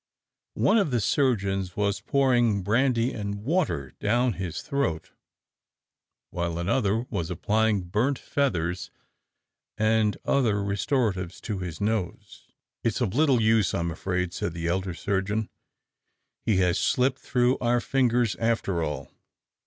One of the surgeons was pouring brandy and water down his throat, while another was applying burnt feathers and other restoratives to his nose. "It's of little use, I'm afraid," said the elder surgeon: "he has slipped through our fingers after all!"